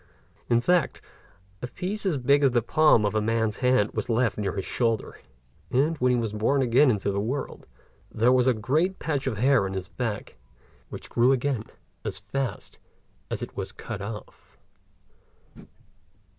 In fact, a piece as big as the palm of a man's hand was left near his shoulder; and when he was born again into the world, there was a great patch of hair on his back, which grew again as fast as it was cut off.